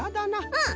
うん。